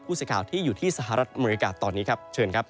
สื่อข่าวที่อยู่ที่สหรัฐอเมริกาตอนนี้ครับเชิญครับ